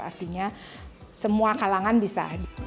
artinya semua kalangan bisa